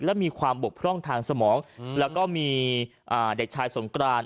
และมีความบกพร่องทางสมองแล้วก็มีเด็กชายสงกราน